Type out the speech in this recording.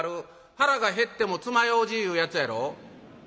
『腹が減ってもつま楊枝』いうやつやろ」。